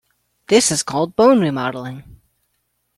This is called bone remodeling.